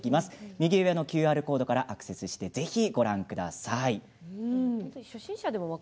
右上のＱＲコードからアクセスしてぜひご覧ください。